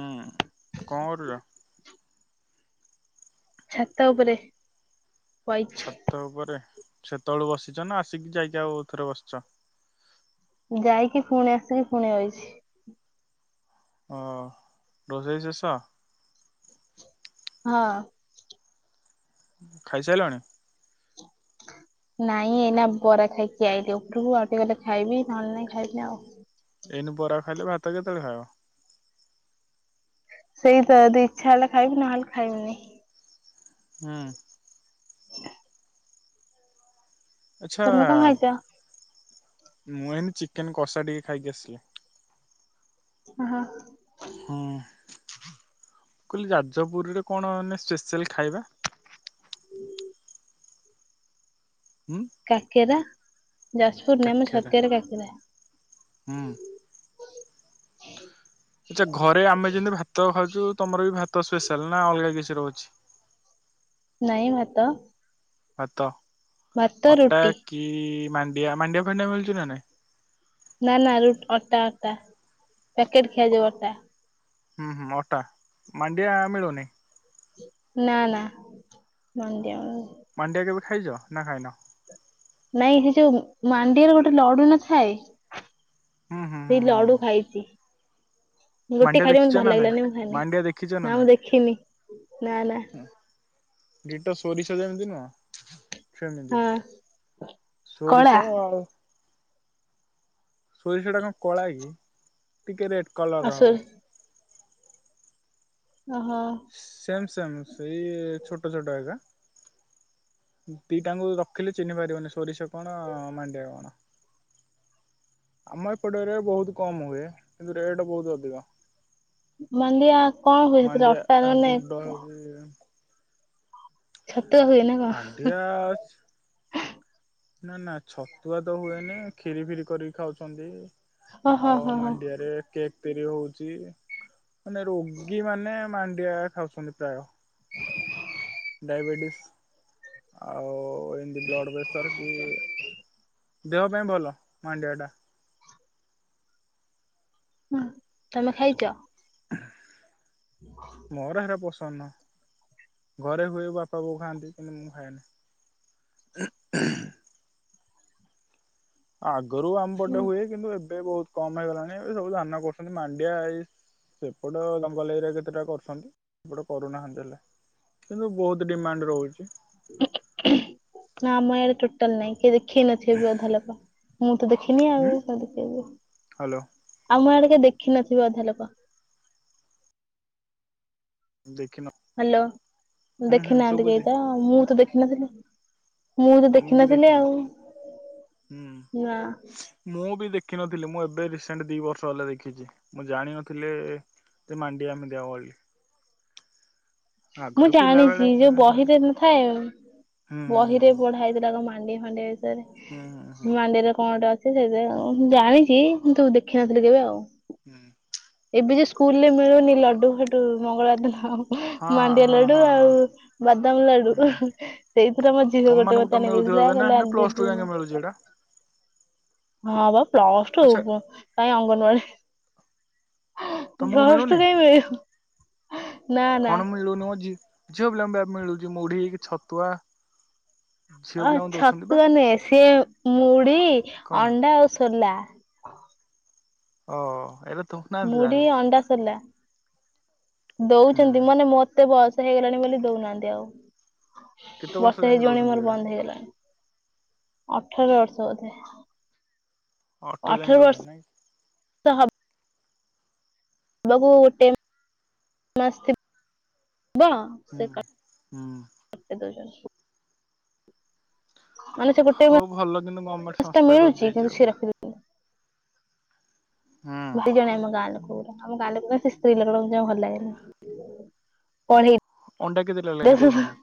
ହୁଁ କଣ କରୁଥୁଲ। ଛାତ ଉପରେ। ବଇଚି ଛାତ ଉପରେ। ସେତେବେଳୁ ବସିଛ ନା। ଆସିକି ଯାଇକି ଆଉଥରେ ବସିଛ। ଯାଇକି ପୁଣି ଆସିକି ପୁଣି ବଇଚି। ଓହ ରୋଷେଇ ଶେଷ। ହଁ। ଖାଇ ସାରିଲଣି। ନାଇଁ ଏଇନା ବରା ଖାଇକି ଆଇଲି। ଉପରକୁ ଆଉ ଟିକେ ଗଲେ ଖାଇବି ନହେଲେ ନାଇଁ ଖାଇବିନି ଆଉ। ଏଇନେ ବରା ଖାଇଲେ ଭାତ କେତେବେଳେ ଖାଇବ। [inaudible] ସେଇ ତ ଯଦି ଇଚ୍ଛା ହେଲା ଖାଇବି ନହେଲେ ଖାଇମିନି। ହୁଁ। ଆଚ୍ଛା ତମେ କଣ ଖାଇଛ ମୁଁ ଏଇନେ ଚିକେନ କଷା ଟିକେ ଖାଇକି ଆସିଲି। ଓହୋ। ହୁଁ କହିଲି ଯାଜପୁରୀରେ କଣ ମେନ୍ ସ୍ପେଶଆଲ ଖାଇବା। ହୁଁ କାକେରା। ଯାଜପୁର ନା ମୁଁ କାକେରା। ଛତିଆରେ କାକେରା। ହୁଁ ହଁ [unintelligible] ଆଚ୍ଛା ଘରେ ଆମେ ଯେମିତି ଭାତ ଖାଉଛୁ ତମର ବି ଭାତ ସ୍ପେଶାଲ ନାଁ ଅଲଗା କିଛି। ରହୁଛି। ନାଇଁ ଭାତ। ଭାତ। ଭାତ ଅଟା ରୁଟି କି? ମାଣ୍ଡିଆ ମାଣ୍ଡିଆ ଫାଣ୍ଡିଆ ମିଳୁଚି ନା ନାଇଁ। ନା ନା ରୁଟ୍ ଅଟା ଅଟା ପ୍ୟାକେଟ ଖିଆଯିବ ଅଟା। ହୁଁ ହୁଁ ଅଟା, ମାଣ୍ଡିଆ ମିଳୁନି? ନା ନା ମାଣ୍ଡିଆ। ମାଣ୍ଡିଆ କେବେ ଖାଇଛ ନା ଖାଇନ? ନାଇଁ ହେ ଯୋଉ ମାଣ୍ଡିଆର ଗୋଟେ ଲଡୁ ନ ଥାଏ। ହୁଁ ହୁଁ ହୁଁ ସେଇ ହୁଁ ଲଡୁ ଖାଇଚି। ଗୋଟେ ମାଣ୍ଡିଆ ଖାଇଲେ ମତେ ଦେଖିଛ ଭଲ ନା ନାଇଁ? ଲାଗିଲାନି ମୁଁ ଖାଇନି ମାଣ୍ଡିଆ ଦେଖିଛ ନା ନାଇଁ? ମୁଁ ଦେଖିନି। ନା ନା। ଡିଟୋ ସୋରିଷ ଯେମିତି ନୁହଁ। ସେମିତି ହଁ କଳା ସୋରିଷ ଆଉ। ସୋରିଷଟା କଣ କଳା କି ଟିକେ ରେଡ୍। ଆ କଲର ହବ। ସରି ଓହୋ ସେମ୍ ସେମ୍ ସେଇ ଛୋଟ ଛୋଟ ଏଗା। ଦିଟାଙ୍କୁ ରଖିଲେ ଚିହ୍ନି ପାରିବନି। ସୋରିଷ କଣ ମାଣ୍ଡିଆ କଣ ଆମ ଏପଟ ଏରିଆରେ ବହୁତ କମ୍ ହୁଏ କିନ୍ତୁ ରେଟ୍ ବହୁତୁ ଅଧିକ। ମଣ୍ଡିଆ କଣ ହୁଏ ମାଣ୍ଡିଆ ଅଟା ମାନେ ଗୁଣ୍ଡ ହଉଛି ଛ ତ ହୁଏ ନା କଣ? ମାଣ୍ଡିଆ ନା ନା ଛତୁଆ ତ ହୁଏନି କ୍ଷୀରି ଫିରି କରିକି ଖାଉଛନ୍ତି। ଓହୋ ଆଉ ହୋ ହୋ ମାଣ୍ଡିଆରେ କେକ୍ ତିରି ହଉଛି। ମାନେ ରୋଗୀ ମାନେ ମାନ କିଆ ଖାଉଛନ୍ତି ପ୍ରାୟ। ଡାଇବେଟିସି ଆଉ ଏ ବ୍ଲଡ ପ୍ରେସର କି? ଦେହ ପାଇଁ ଭଲ, ମାଣ୍ଡିଆ ଟା। ହୁଁ ତମେ ଖାଇଚ? ମୋର ହେରା ପସ ନାଁ, ଘରେ ହୁଏ ବାପା ବୋଉ ଖାଆନ୍ତି କିନ୍ତୁ ମୁଁ ଖାଏନି। [unintelligible] ଗରୁ ଆମ ପଟେ ହୁଏ କିନ୍ତୁ ଏବେ ବହୁତ କମ୍ ହେଇଗଲାଣି ଏବେ ସବୁ ଧାନ କରୁଛନ୍ତି। ମାଣ୍ଡିଆ ଏଇ ସେପଟ ଜଙ୍ଗଲ ଏରିଆରେ କେତେଟା କରୁଛନ୍ତି। ଏପଟ କରୁନାହାଁନ୍ତି ହେଲେ କିନ୍ତୁ ବହୁତ ଡିମାଣ୍ଡ ରହୁଛି। ନା, ଆମ ଇଆଡେ ଟୋଟାଲ ନାଇଁ। କିଏ ଦେଖି ବି ନଥିବେ ବି ଅଧା ଲୋକ। ମୁଁ ତ ଦେଖିନି ଆଉ ହୁଁ କଣ କହିବି। ହ୍ୟାଲୋ ଆମ ଆଡେ କିଏ ଦେଖିିନଥିବେ ଅଧା ଲୋକ। ଦେଖିନ ହାଲୋ, ହୁଁ ହୁଁ ଦେଖି ନାହାଁନ୍ତି ଶୁଭୁଛି କେହି ତ ମୁଁ ତ ଦେଖିିନଥିଲି। ତମେ ବି ଦେଖିନ, ହୁଁ ନା ମୁଁ ବି ଦେଖି ଦେଖିନଥିଲି ମୁଁ ଏବେ ରିସେଣ୍ଟ ଦି ବର୍ଷ ହେଲା ଦେଖିଛି। ମୁଁ ଜାଣିନଥିଲି ଯେ ମାଣ୍ଡିଆ ଏମିତିଆ ହୁଏ ବୋଲି। ମୁଁ ଆଗରୁ ପିଲା ବେଳେ ଜାଣିଛି ଯୋଉ ହୁଏ ହୁଁ ବହିରେ ନଥାଏ ହୁଁ ବହି ରେ ପଢ଼ା ହେଇଥିଲା ଲୋ ମା। ହାଣ୍ଡି ହଣ୍ଡେ। ହୁଁ ହୁଁ ହୁଁ ମାଣ୍ଡିଆରେ କଣଟେ ଅ ସେ ସେ ମୁଁ ଜାଣିଚି, କିନ୍ତୁ ଦେଖିନଥିଲି କେବେ ଆଉ। ହୁଁ। ଏବେ ଯୋଉ ସ୍କୁଲରେ ମିଳୁନି ଲଡୁ ଫଡୁ ମଙ୍ଗଳବାର ଦିନ ହଁ ଆଉ। ମାଣ୍ଡିଆ ହଁ ଲଡୁ ହଁ ହଁ ହଁ ଆଉ ବାଦାମ ଲଡୁ, ହୁଁ ସେଇଥିରେ ମୋ ଝିଅ ତମ ଗୋଟେ ମାନଙ୍କୁ ମତେ ତ ଆଣି ମିଳୁଥିବ ଦେଇଥିଲା। ଏବେ ନା କହିଲା ନା ପ୍ଲସ ଟୁ ଆଣିଦେଇଛି ଯାକେ ନେ। ମିଳୁଛି ଏଇଟା ହଁ ବା। ପ୍ଲସ୍ ଟୁ ଆଚ୍ଛା କାଇଁ ଅଙ୍ଗନବାଡ଼ି ତମକୁ ପ୍ଲସ ଟୁ ମିଳୁନି ରେ ମିଳିବ ନା ନା। ଝିଅ ଝିଅ ପିଲାଙ୍କୁ ବା ପାଇଁ ମିଳୁଛି ମୁଢ଼ି, ଛତୁଆ। ଝିଅ ଅ ପିଲାଙ୍କୁ ଦଉଛନ୍ତି ବା ଛତୁଆ ନୁହେଁ ସିଏ ମୁଢ଼୍ ଢ଼ି, କଣ ଅଣ୍ଡା ଆଉ ସୋଲା। ହଉ ହଉ ଏବେ ମୁଢ଼ି, ଅଣ୍ଡା, ସୋଲା। ହୁଁ ଦଉଛନ୍ତି ମାନେ ମତ ମତେ ବୟସ ହେଇଗଲାଣି ବୋଲି ଦଉନାହାଁନ୍ତି ଆଉ। କେତେ ବର୍ଷ ବର୍ଷେ ଯାକେ ହେଇଯିବଣି ଦଉଛନ୍ତି ମୋର ଏଇଟା ବନ୍ଦ ହେଇଗଲାଣି। ଅଠର ବର୍ଷ ବୋଧେ। ଅଠର ଯାଇକି ଦଉଛନ୍ତି ନାଇଁକି। ତହବ [unintelligible] ହୁଁ ହୁଁ [unintelligible] ମାନେ ସେ ଗୋଟେ ହଉ ଭଲ କିନ୍ତୁ ଗମେଣ୍ଟ୍ ମାସ ଟା ସଂସ୍ଥା ମିଳୁଛି କରିଦେଇଛି କିନ୍ତୁ ସିଏ ଆଉ। ଦିଇ ହୁଁ ଜଣ ଆମ ଗାଁ ଲୋକ। ପୁରା ଆମ ଲୋକ ପା, ସେ ସ୍ତ୍ରୀ ଲୋକଟାକୁ ଜମା ଭଲ ଲାଗେନି। ପଢେଇ ଅଣ୍ଡା କେତେଟା ଲେଖାଏଁ ଦଉଛନ୍ତି?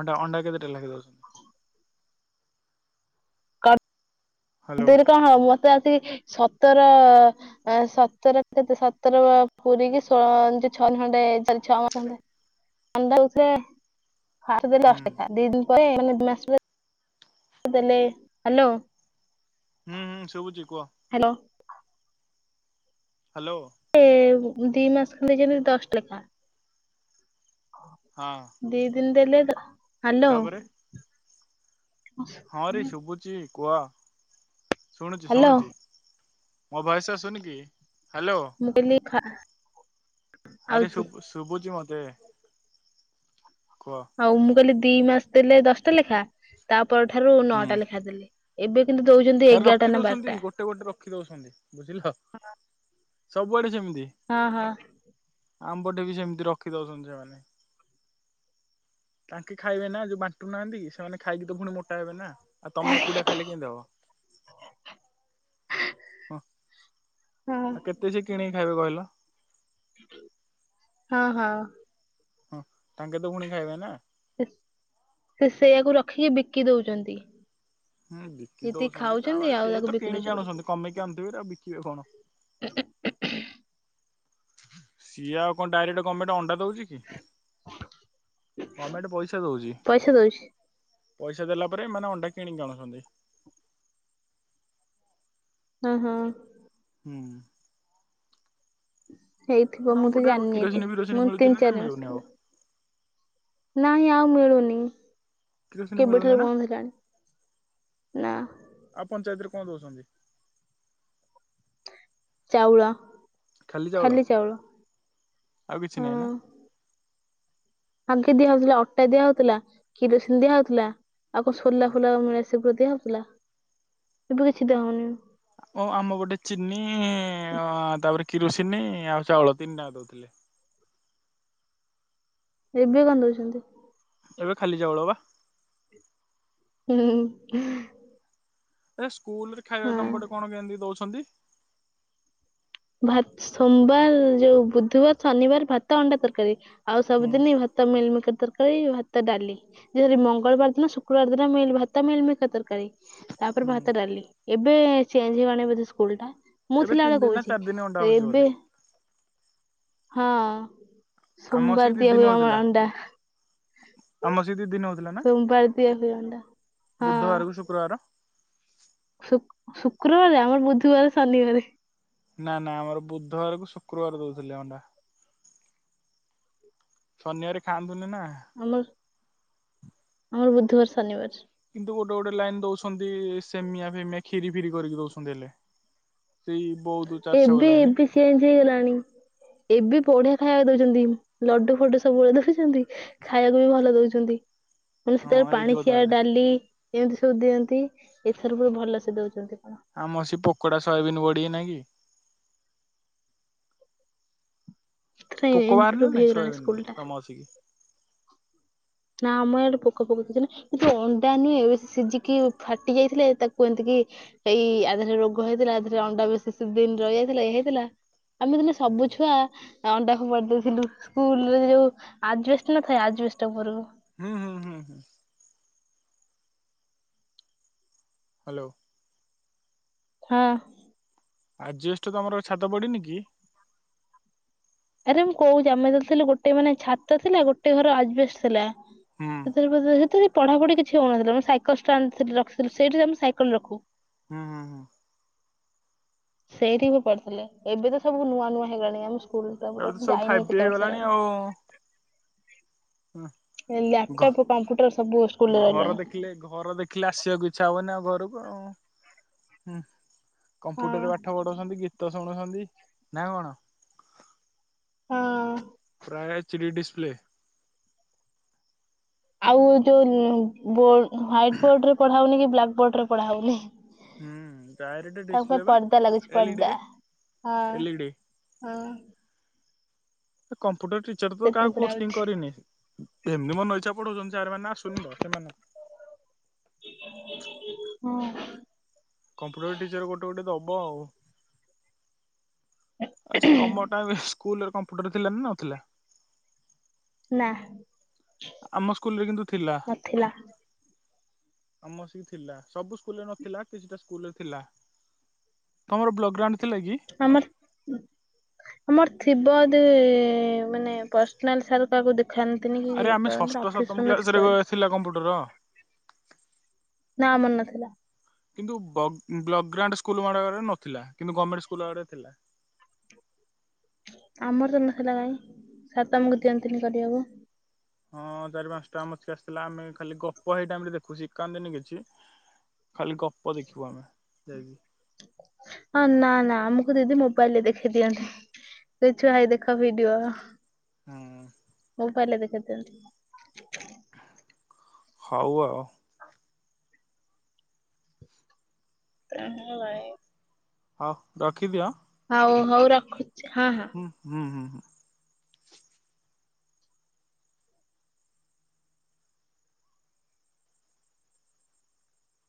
ଅଣ୍ଡା ଅଣ୍ଡା କେତେ ଏ ଲାଗି ଦ ତେରି କଣ ହବ ବ ଇ ସତର ସତର କେତେ ସତର ପୁରିକି ଷୋଳ ଯୋଉ ଛଅ ଖଣ୍ଡେ ଚାଲିଛି ଛ ମାସ ଖଣ୍ଡଲ୍ ରେ ଫା ଦେଲେ ହୁଁ ଅଷ୍ଟେ କା ଦେଇ ଦଉ ହଏ ମାନେ ମାସକୁ ଯ ଦେଲେ ହାଲୋ। ହୁଁ ହୁଁ ସବୁଛି କୁଅ। ହାଲୋ। ଏ ଦି ମାସ ଖଣ୍ଡେ ଯେମିତି ଦଶଟା ଲେଖାଂ। ହଁ ଦି ଦିନ୍ ଦେଲେ ଧ ହାଲୋ। ତାପରେ ହଁ ରେ ଶୁଭୁଛି। କୁହ। ଶୁଣୁଛି ହ୍ୟାଲୋ ଶୁଣୁଛି। ମୋ ଭଏସ ଆସୁନ କି। ହ୍ୟାଲୋ। ମୁଁ କହିଲି ଖା ଆରେ ଆଉଛି ଶୁଭୁ ଶୁଭୁଛି ମତେ ତେ ହଉ ମୁଁ କହିଲି। ଦି ମାସ ଦେଲେ ଦଶଟା ଲେଖା ତା ପରଠାରୁ ନଅଟା ଲେଖାଦେଲେ। ଏବେ କିନ୍ତୁ ଦଉଛନ୍ତି ଏରା ଏଗାରଟା ରଖି ନା ଦଉଛନ୍ତି ବାରଟା ଗୋଟେ ଗୋଟେ ରଖି ଦଉଛନ୍ତି ବୁଝିଲ ସବୁଆଡେ ସେମିତି। ହଁ ହଁ ଆମ୍ବଟେ ବି ସେମିତି ରଖି ଦଉଛନ୍ତି ସେମାନେ। ତାଙ୍କେ ଖାଇବେ ନା ଯୋଉ ବାଣ୍ଟୁ ନାହାନ୍ତି ସେମାନେ ଖାଇକି ତ ପୁଣି ମୋଟ ହେବେ ନା। ଆଉ ତମେ ଏକୁଟିଆ ଖାଇଲେ କିଁତି ହବ! ହଁ ହଁ ଆଉ କେତେ ସେ କିଣି ହେବେ କହିଲ। ହଁ ହଁ। ହଁ ତାଙ୍କେ ତ ପୁଣି ଖାଇବେ ନା। ସେ ସେ ସେୟାକୁ ରଖିକି ବିକି ଦଉଚନ୍ତି। ହୁଁ ବିକି ଦଉଛନ୍ତି। ତା ବାଦ ତାକୁ ସେଏତ ବିକି କିଣିକି ଦଉଛନ୍ତି ଆଣୁଛନ୍ତି। କମେଇକି ଆଣୁଥିବେ ଆଉ ବିକିବେ କଣ? ସିଏ ଆଉ କଣ ଡାଇରେକ୍ଟ ଗମେଟ୍ ଅଣ୍ଡା ଦଉ ଚିକି? ଗମେଟ୍ ପଇସା ଦଉଚି। ପଇସା ଦଉଛି ପଇସା ଦେଲା ପରେ ଏମାନେ ଅଣ୍ଡା କିଣିକି ଆଣୁସନ୍ତି। ହଁ ହଁ। ହୁଁ, ହୁଁ, ହେଇଥିବ। ତମ ମୁଁ ତ ପଟେ ଜାଣିନି ଏତେ କିରୋସିନି ଫିରୋସିନି ମୁଁ ମିଳୁଛି ତିନି ନା ଚାରି ମାସ ମିଳୁନି ଆଉ ଖଣ୍ଡେ ନାଇଁ ଆଉ ମିଳୁନି। କିରୋସିନି କେବେ ମିଳୁନି ଠାରୁ ନା ବନ୍ଦ ହେଲାଣି? ନା। ଆଉ ପଞ୍ଚାୟତରେ କଣ ଦଉଛନ୍ତି? ଚାଉଳ। ଖାଲି ଚାଉଳ ଆଉ କିଛି ହଁ। ନାହିଁ ନା ଆଗେ ଦିଆ ହଉଥିଲା ଅଟା ଦିଆ ହଉଥିଲା, କିରୋସିନ ଦିଆ ହଉଥିଲା, ଆଉ କଣ ସୋଲା ଫୋଲା ପା ମିଳେ ସେ ସିବୁ ଦିଆ ହଉଥିଲା। ଏବେ କିଛି ଦିଆ ହଉନି? ଓ ଆମ ପଟେ ଚିନି-ଇଁ- ଅଁ ତାପରେ କିରୋସିନି-ଇ ଆଉ ଚାଉଳ ତିନିଟାଙ୍କ ଦଉଥିଲେ। ଏବେ କଣ ଦଉଛନ୍ତି? ଖାଲି ଚାଉଳ ବା। ହୁଁହୁଁ ହୁଁ ହ। [unintelligible] ସ୍କୁଲ ରେ ଖାଇବା ତମପଟେ କଣ କେମିତି ଦଉଛି? ହନ୍ତି। ଆତ୍ ସୋମବାର ଯୋଉ ବୁଧବାର, ଶନିବାର ଭାତ ଅଣ୍ଡା ତରକାରୀ। ଆଉ ହୁଁ ସବୁଦିନି ଭାତ ମିଲ୍ ମେକର ତର୍ ଇ ଭାତ ଡାଲି ଯ ମଙ୍ଗଳବାର ଦିନ ଶୁକ୍ରବାର ଦିନ ମିଲ୍ ଭାତ ମିଲ୍ ମେକର ତରକ କାରି। ତାପରେ ହୁଁ ଭାତ ଡାଲି ଏବେ ଚେଞ୍ଜ ହେଇଗାଣି ବୋଧେ ସ୍କୁଲଟା! ମୁଁ ଥିଲାବେଳେ କହୁଛି। ଦିନେ ଅଣ୍ଡା ହଉଛି ଏବେ ବୋଧେ! ହଁ। ସୋମବାର ଦିଆ ହୁଏ ଆମର ଅଣ୍ଡା ଆମସିନ୍ତି। ସୋମବାର ଦିଆ ହୁଏ ଅଣ୍ଡା ହଁ ବୁଧବାର କୁ ଶୁକ୍ରବାର ଶୁକ୍ରବାର ଆମର ବୁଧବାର ଶନିବାର ନା ନା ଆମର ବୁଧବାରକୁ ଶୁକ୍ରବାର ଦଉଥିଲେ ଅଣ୍ଡା ସନିବାରେ ଖାଆନ୍ତି। ଆମର ଆମର ବୁଧ ବୁଧୁବାର ଶନିବାର କିନ୍ତୁ ଗୋଟେ ଗୋଟେ ଲାଇନ ଦଉଛନ୍ତି ସେମିଆ ଫେମିଆ ଖିରି ଫିରି କରିକି ଦଉଛନ୍ତି ହେଲେ। ସେଇ ବହୁତ ଚାରିଶହ ଏବେ ଲାଇନ ଏବେ ଚେଚ୍ ହେଇଗଲାଣି ଏବେ ବଢିଆ ଖାଇବାକୁ ଦଉଛନ୍ତି ଲଡୁ ଫଡୁ ସବୁବେଳେ ଦଉଛନ୍ତି ଖାଇବାକୁ ବି ଭଲ ଦଉଛନ୍ତି। ମାନେ କଣ ହଁ ସେଟାରେ ହେଇଥିବ ପାଣିଚିଆ ତାହେଲେ ଡାଲି ଏମିତି ସବୁ ଦିଅନ୍ତି ଏଥର ପୁରା ଭଲସେ ଦଉଛନ୍ତି। ଆମ ସେ ପକୋଡା ସୟାବନ୍ ବଢି ନା କି। କଣ ପୋକ ବାହାରିଲେ ଇମ୍ପ୍ରୁଭ ନାଇଁ ହେଇଗଲାଣି ସୋୟାବିନ ସ୍କୁଲ ରେ ଟା ତମ ଆସିକି ନାମଆଡେ ପୋକ ପୋକଛି ନା କିନ୍ତୁ ଅଣ୍ଡା ନୁହେଁ ବେଶ ସିଝିକି ଫାଟି ଯାଇଥିଲେ ତାକୁ ଏମତିକ କି ଏଇ ଆଧରେ ରୋଗ ହେଇଥିଲା ଆଧରେ ଅଣ୍ଡା ବେଶୀ ଦିନ ରହିଯାଇଥିଲା ଏଇ ହେଇଥିଲା। ଆମେ ତ ସବୁ ହୁଁ ଛୁଆଁ ଅଣ୍ଡାକୁ ଫୋପାଡ଼ିଦଉଥିଲୁ ସ୍କୁଲରେ ଯୋଉ ଆଜବେଷ୍ଟ ନ ଥାଏ ଆଜବେଷ୍ଟ ଉପରକୁ। ହୁଁ ହୁଁ ହୁଁ ହୁଁ। ହ୍ୟାଲୋ। ହଁ। ଆଜବେଷ୍ଟ ତମର ଛାତ ପଡ଼ିନି କି? ଆରେ ମୁଁ କହୁଛି ଆମେ ତ ଥିଲୁ ଗୋଟେ ମାନେ ଛାତ ଥିଲା ଗୋଟେ ଘର ଆଜବେଷ୍ଟ ଥିଲା। ହୁଁ ସେତେଳେ ପଜନ୍ତ ସେତେଳେ ପଢ଼ାପଢ଼ି କିଛି ହଉନଥିଲା ସେତେଳେ ସାଇକେଲ୍ ଷ୍ଟାଡେ ରଖିଥିଲେ ସେଇଠି ଆମେ ସାଇକେଲ ରଖୁ। ହୁଁ ହୁଁ ହୁଁ। ସେଇଠି ମୁଁ ପଢିଥିଲେ ଏବେ ତ ସବୁ ନୂଆ ନୂଆ ହେଇଗଲାଣି ଆମ ସ୍କୁଲ୍ ଏବେ ତ ସବୁ ଫାଇପ୍ ଟି ହେଇଗଲାଣି ଆଉ। ହୁଁ ଲ୍ୟାପଟପ୍ କମ୍ପ୍ୟୁଟର ସବୁ ସ୍କୁଲରେ ଘର ରହିଲାଣି ଦେଖିଲେ ଘର ଦେଖିଲେ ଆସିବାକୁ ଇଚ୍ଛା ହବନି ଆଉ ଘରକୁ। ହୁଁ। ହଁ କମ୍ପ୍ୟୁଟର ରେ ପାଠ ପଢଉଛନ୍ତି ଗୀତ ସୁଣୁ ଚନ୍ତି ନାଁ କଣ। ହଁ। ଆ ଏଚି ଡିସ୍ ପ୍ଲେ ଆଉ ଯୋଉ ବ ହ୍ୱାଇଟ ବୋର୍ଡ ପଡ଼ା ହଉନି କି ବ୍ଲା ବୋର୍ଡରେ ପଢା ହଉନି। ହୁଁ ଡାଇରେଟେ ତାଙ୍କ ପାଇଁ ଡିସପ୍ଲେ ବା ପର୍ଦ୍ଦା ଲାଗୁଛି ପର୍ଦ୍ଦା ଏଲିଡିରେ ହଁ ଏଲିଡି। ହଁ କମ୍ ଗୋଟେ ଟିଚର ତ ସେଥିରେ କାହାକୁ ପଢା ପୋଷ୍ଟିଂ ହଉଛି କରିନି ଏମିତି ମନେ ଇଛା ପଢଉଛନ୍ତି ସାର୍ ମାନେ ଆସୁନି ତ ସେମାନେ ହଁ‌। ବ ଆଚ୍ଛା ତମଟା ବେ ସ୍କୁଲର କମ୍ପ୍ୟୁଟର ଥିଲାନା ନଥିଲା? ନା। ଆମ ସ୍କୁଲରେ କିନ୍ତୁ ଥିଲା। ନଥିଲା ଆମସିକି ଥିଲା ସବୁ ସ୍କୁଲରେ ନଥିଲା କିଛିଟା ସ୍କୁଲ ଥିଲା ତମର ବୋକ୍ଲଗ୍ରାଉଣ୍ଡ। ଆମର ଆମର ଥିବ ଦ ମାନେ ପର୍ସନାଲ ସାର୍ କାହାକୁ ଦେଖ ଆରେ ଆମେ ଷଷ୍ଠ ସପ୍ଟମ ଥିବ କ୍ଲାସ ରେ ଯଦି। ଥିଲା କମ୍ପ୍ୟୁଟର। ନା ଆମର ନଥିଲା। କିନ୍ତୁ ବ୍ ବ୍ଲଗ୍ରାଣ୍ଡ ସ୍କୁଲ ମ ଆରେ ନଥିଲା କିନ୍ତୁ ଗଣମେଣ୍ଟ ସ୍କୁଲରେ ଥିଲା। ଆମର ତ ନଥିଲା କାଇଁ ସାର୍ ତ ଆମକୁ ଦିଅନ୍ତିନି କରିବାକୁ ହଁ ଚାରି ପାଞ୍ଚଟା ମସ୍କି ଆସିଥିଲା ଆମେ ଖାଲି ଗପ ହେଇ ଟାଇ ରେ ଦେଖୁ ଶକାନ୍ତିିନି କିଛି ଖାଲି ଗପ ଦେଖିବୁ ଆମେ ଯାଇ ହଁ ନା ନା ଆମକୁ ଦିଦି ମୋବାଇଲରେ ଦେଖେଇ ଦିଅନ୍ତି ସେ ଭାଇ ଦେଖ ଭିଡିଓ। ହୁଁ। [inaudible] ହଉ ଆଉ। ତେ ଭାଇ ହଁ ରଖିଦିଅ ହଉ ହଉ ରଖୁଛି। ହଁ ହଁ। ହୁଁ ହୁଁ ହୁଁ ହୁଁ।